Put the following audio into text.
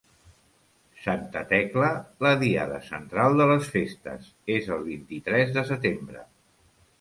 Santa Tecla, la diada central de les festes, és el vint-i-tres de setembre.